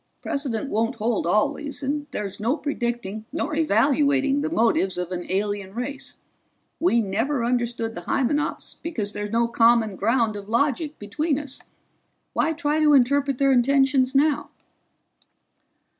Precedent won't hold always, and there's no predicting nor evaluating the motives of an alien race. We never understood the Hymenops because there's no common ground of logic between us. Why try to interpret their intentions now?"